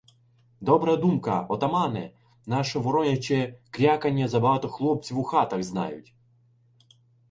— Добра думка! Отамане! Наше вороняче крякання забагато хлопців у хатах знають.